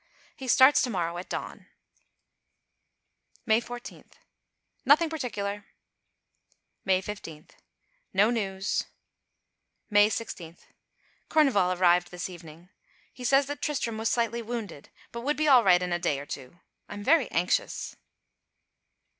He starts to morrow at dawn. May 14. Nothing particular. May 15. No news. May 16. Kurneval arrived this evening. He says that Tristram was slightly wounded; but would be all right in a day or two. I am very anxious.